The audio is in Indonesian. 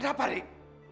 ada apa rick